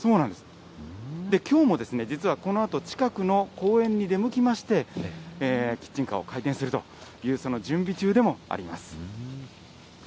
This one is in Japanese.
きょうも実はこのあと、近くの公園に出向きまして、キッチンカーを開店するという、その準備中でもあります。